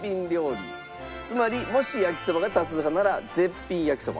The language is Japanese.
つまりもし焼きそばが多数派なら絶品焼きそば。